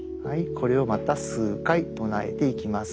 これをまた数回唱えていきます。